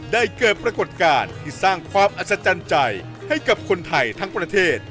เกิดปรากฏการณ์ที่สร้างความอัศจรรย์ใจให้กับคนไทยทั้งประเทศ